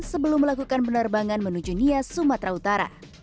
sebelum melakukan penerbangan menuju nia sumatera utara